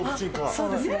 そうですね。